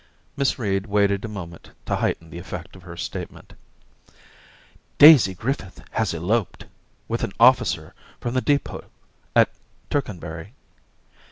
Miss Reed waited a moment to heighten the effect of her statement. * Daisy Griffith has eloped — with an officer from the d6p6t at Tercanbury.